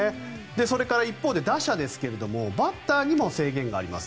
それから、一方で打者ですがバッターにも制限があります。